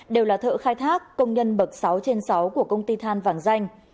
đều là thợ khai thác công nhân bậc sáu trên sáu của công ty than vàng danh